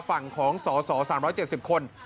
ฝั่งของสส๓๗๐คน